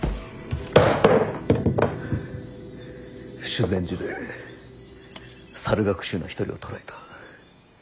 修善寺で猿楽衆の一人を捕らえた。